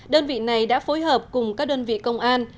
đơn vị này đã phối hợp cùng các đơn vị công an